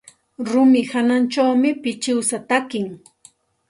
Rumi hawanćhawmi pichiwsa taki.